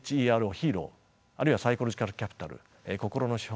ヒーローあるいはサイコロジカルキャピタル心の資本